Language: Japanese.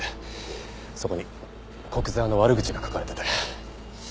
そこに古久沢の悪口が書かれてて。